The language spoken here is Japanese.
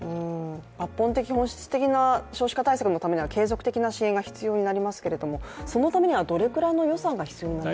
抜本的、本質的な少子化対策のためには継続的な支援が必要ですけど、そのためにはどのくらいの予算が必要になりますか？